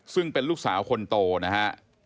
ซึ่งเป็นลูกสาวคนโตนะฮะ